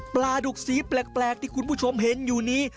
ปลาดุกสีแปลกที่คุณผู้ชมเห็นอยู่นี้